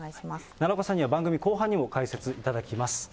奈良岡さんには番組後半でも解説いただきます。